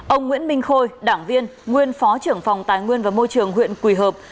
ông nguyễn minh khôi đảng viên nguyên phó trưởng phòng tài nguyên và môi trường huyện quỳ hợp